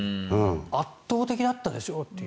圧倒的だったでしょうっていう。